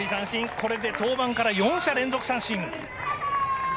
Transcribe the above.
これで登板から４者連続三振。